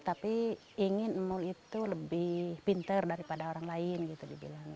tapi ingin mul itu lebih pinter daripada orang lain